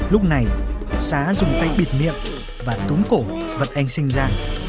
lúc này xá dùng tay bịt miệng và túng cổ vật anh sinh ra